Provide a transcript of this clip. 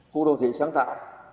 khu đô thị sáng tạo